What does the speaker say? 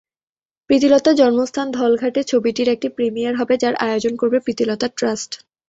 প্রীতিলতার জন্মস্থান ধলঘাটে ছবিটির একটি প্রিমিয়ার হবে, যার আয়োজন করবে প্রীতিলতা ট্রাস্ট।